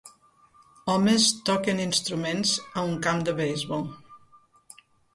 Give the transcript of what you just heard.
Homes toquen instruments a un camp de beisbol.